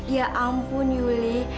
ya ampun yuli